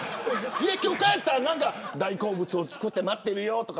家帰ったら大好物作って待ってるよとか。